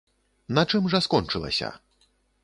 На чым жа скончылася?